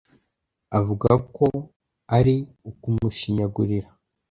avuga ko ari ukumushinyagurira,